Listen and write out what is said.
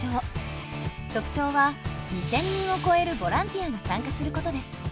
特徴は２，０００人を超えるボランティアが参加することです。